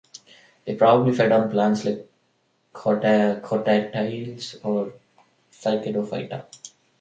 They probably fed on plants like Cordaitales or Cycadophyta.